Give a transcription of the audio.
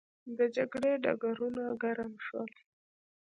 د جګړې ډګرونه ګرم شول.